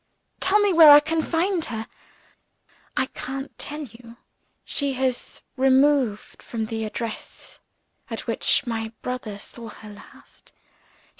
"Tell me where I can find her." "I can't tell you. She has removed from the address at which my brother saw her last.